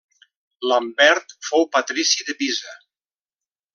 Lambert fou patrici de Pisa.